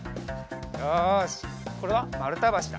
よしこれはまるたばしだ。